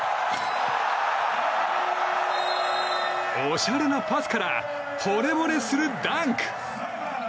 おしゃれなパスからほれぼれするダンク！